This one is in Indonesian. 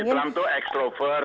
ya jadi trump itu ekstrovert